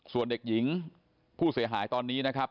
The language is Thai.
ส่วนเด็กหญิงผู้เสียหายตอนนี้นะครับ